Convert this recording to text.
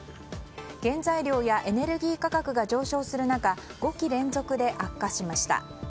原材料やエネルギー価格が上昇する中５期連続で悪化しました。